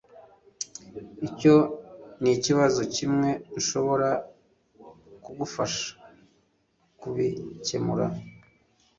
Icyo nikibazo kimwe nshobora kugufasha kubikemura.